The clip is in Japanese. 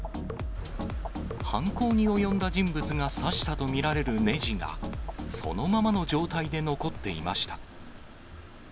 犯行に及んだ人物がさしたと見られるねじが、そのままの状態で残っていました。